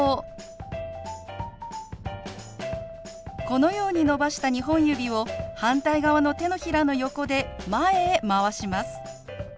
このように伸ばした２本指を反対側の手のひらの横で前へ回します。